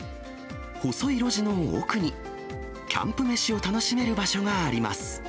細い路地の奥に、キャンプ飯を楽しめる場所があります。